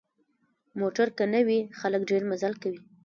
موټر که نه وي، خلک ډېر مزل کوي.